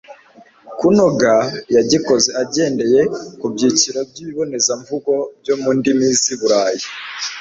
kunoga. yagikoze agendeye ku byiciro by'ibibonezamvugo byo mu ndimi z'i burayi